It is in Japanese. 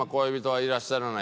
はい。